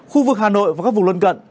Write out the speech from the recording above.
khu vực hà nội và các vùng luân cận